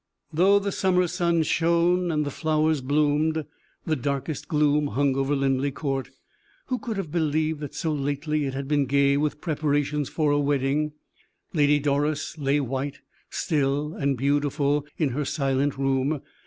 Though the summer's sun shone and the flowers bloomed, the darkest gloom hung over Linleigh Court. Who could have believed that so lately it had been gay with preparations for a wedding? Lady Doris lay white, still, and beautiful in her silent room.